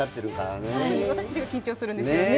私たちも緊張するんですけどね。